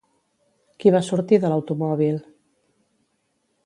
Qui va sortir de l'automòbil?